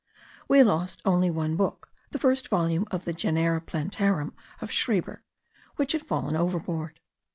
We lost only one book the first volume of the Genera Plantarum of Schreber which had fallen overboard.